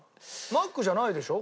マックじゃないでしょ？